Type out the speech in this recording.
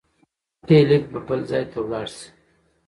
فېلېپ به بل ځای ته ولاړ شي.